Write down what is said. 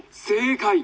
「正解！」。